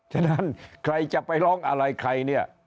ฉะนั้นใครจะไปร้องอะไรใครเนี่ย